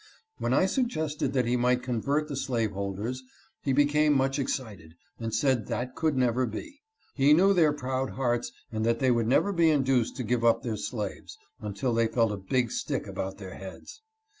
W"hen I suggested that we might convert the slaveholders, he became much excited, and said that could never be, " he knew their proud hearts and that they would never be induced to give up their slaves, until they felt a big stick about their heads."